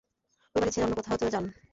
ঐ বাড়ি ছেড়ে অন্য কোথাও চলে যান।